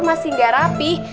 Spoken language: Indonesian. masih gak rapi